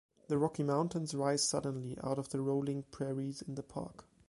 The Rocky Mountains rise suddenly out of the rolling prairies in the park.